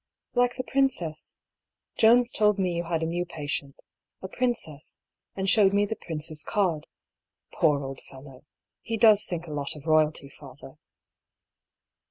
" Like the princess. Jones told me you had a new patient — a princess — and showed me the prince's card. Poor old fellow ! He does think a lot of royalty, father."